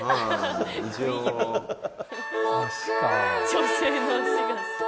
「女性の脚が好き」！